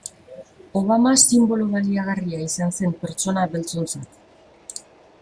Obama sinbolo baliagarria izan zen pertsona beltzontzat.